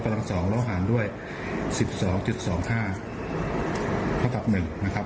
กัลางสองด้วย๑๒๒๕เพราะว่ะ๑นะครับ